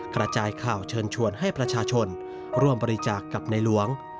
กระจายข่าวเชิญชวนให้ประชาชนร่วมบริจาคกับในหลวง